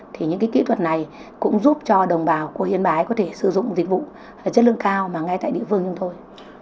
thì những kỹ thuật này cũng giúp cho đồng bào của hiên bái có thể sử dụng dịch vụ chất lượng cao ngay tại địa phương chúng tôi